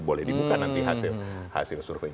boleh dibuka nanti hasil survei